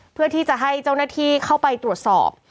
เพื่อที่จะให้เจ้าหน้าที่เข้าไปตรวจสอบ